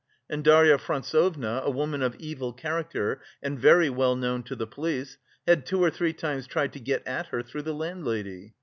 And Darya Frantsovna, a woman of evil character and very well known to the police, had two or three times tried to get at her through the landlady.